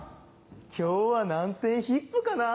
今日は何点ヒップかな？